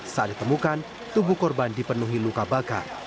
saat ditemukan tubuh korban dipenuhi luka bakar